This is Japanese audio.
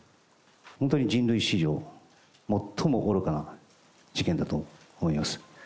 本当に人類史上、最も愚かな事件だと思います。